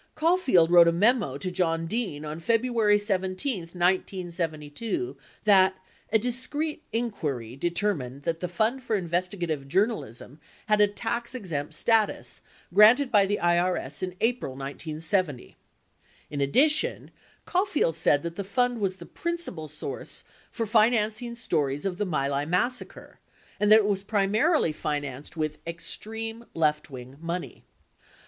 81 Caulfield wrote a memo to John Dean on February 17, 1972, that a "discreet inquiry" determined that the Fund for Inves tigative Journalism had a tax exempt status granted by the IBS in April 1970. In addition, Caulfield said that the fund was the principal source for financing stories of the Mylai massacre and that it was primarily financed with "extreme leftwing" money.